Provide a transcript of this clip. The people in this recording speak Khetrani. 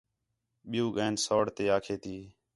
ٻِیوں ڳئین سوڑ تے آکھے تی